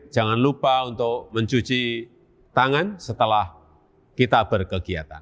jangan lupa untuk mencuci tangan setelah kita berkegiatan